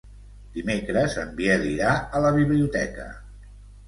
Dimecres en Biel irà a la biblioteca.